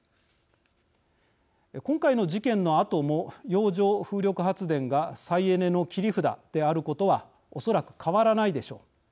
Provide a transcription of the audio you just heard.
今回の事件のあとも洋上風力発電が再エネの切り札であることはおそらく変わらないでしょう。